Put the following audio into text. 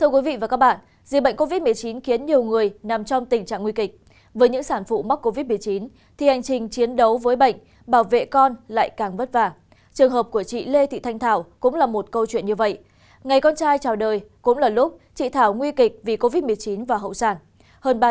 các bạn hãy đăng ký kênh để ủng hộ kênh của chúng mình nhé